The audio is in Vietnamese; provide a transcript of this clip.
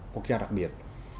quốc gia đặc biệt